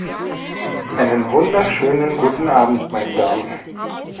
Einen wunderschönen guten Abend, meine Damen!